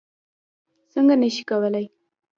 څکه نه شي کولی.